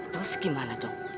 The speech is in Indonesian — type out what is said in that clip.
tau segimana dong